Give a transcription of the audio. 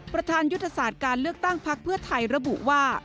ประธานยุทธศาสตร์การเลือกตั้งพักเพื่อไทยระบุว่า